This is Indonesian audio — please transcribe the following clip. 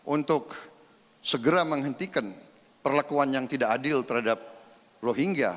untuk segera menghentikan perlakuan yang tidak adil terhadap rohingya